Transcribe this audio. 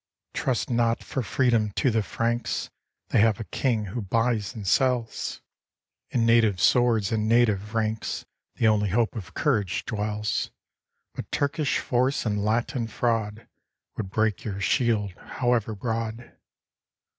Trust not for freedom to the Franks — They have a king who buys and sells: 230 THE ISLES OF GREECE In native swords and native ranks, The only hope of courage dwells: But Turkish force and Latin fraud Would break your shield, however broad.